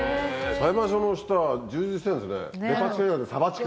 裁判所の下は充実してるんですね。